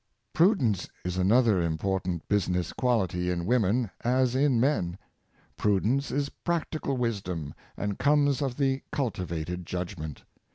Prudence is another important business quality in women, as in men. Prudence is practical wisdom, and comes of the cultivated judgment.